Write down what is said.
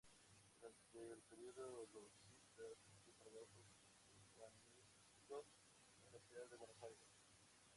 Durante el período rosista, efectuó trabajos urbanísticos en la ciudad de Buenos Aires.